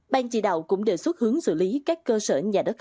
bang chỉ đạo cũng đề xuất hướng xử lý các cơ sở